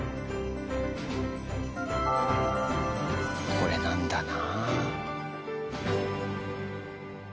これなんだな。